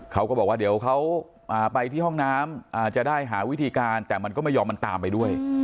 เขาก็บอกว่าเดี๋ยวเขาไปที่ห้องน้ำจะได้หาวิธีการแต่มันก็ไม่ยอมมันตามไปด้วย